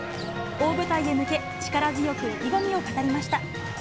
大舞台へ向け、力強く意気込みを語りました。